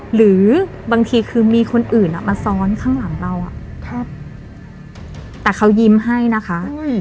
หรือบางทีคือมีคนอื่นมาซ้อนข้างหลังเราแต่เขายิ้มให้นะคะ